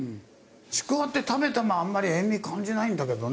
ちくわって食べてもあんまり塩味感じないんだけどね